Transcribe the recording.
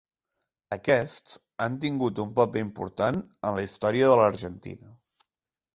Aquests han tingut un paper important en la història de l'Argentina.